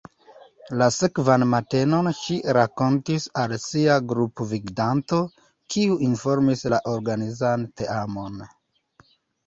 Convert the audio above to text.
La sekvan matenon ŝi rakontis al sia grupgvidanto, kiu informis la organizan teamon.